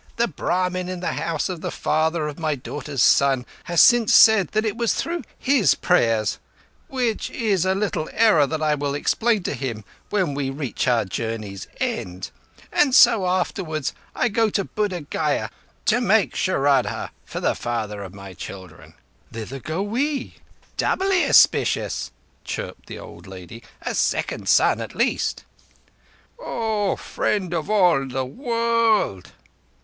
The Brahmin in the house of the father of my daughter's son has since said that it was through his prayers—which is a little error that I will explain to him when we reach our journey's end. And so afterwards I go to Buddh Gaya, to make shraddha for the father of my children." "Thither go we." "Doubly auspicious," chirruped the old lady. "A second son at least!" "O Friend of all the World!"